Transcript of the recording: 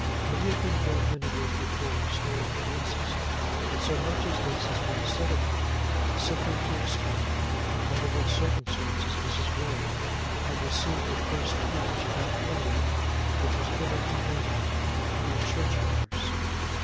But he had been dead many years before our story commences, and so much as this is now said of him simply to explain under what circumstances Mrs. Ray had received the first tinge of that colouring which was given to her life by church matters.